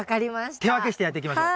手分けしてやっていきましょう。